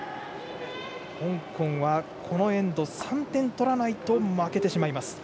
香港はこのエンド３点取らないと負けます。